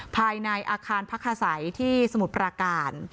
ภายในอาคารพักอาศัยที่สมุทรปราการ